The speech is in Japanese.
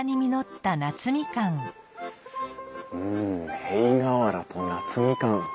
うん塀瓦と夏みかん。